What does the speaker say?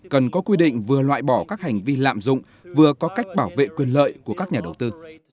cần có quy định vừa loại bỏ các hành vi lạm dụng vừa có cách bảo vệ quyền lợi của các nhà đầu tư